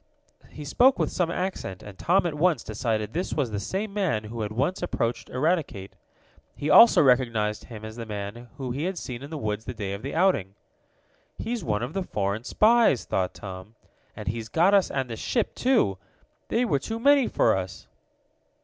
He spoke with some accent, and Tom at once decided this was the same man who had once approached Eradicate. He also recognized him as the man he had seen in the woods the day of the outing. "He's one of the foreign spies," thought Tom "and he's got us and the ship, too. They were too many for us!"